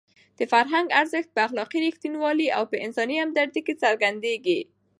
د فرهنګ ارزښت په اخلاقي رښتینولۍ او په انساني همدردۍ کې څرګندېږي.